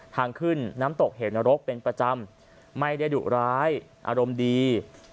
ทางขึ้นน้ำตกเหนรกเป็นประจำไม่ได้ดุร้ายอารมณ์ดี